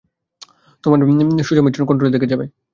তোমরা সোজা মিশন কন্ট্রোলের দিকে যাবে।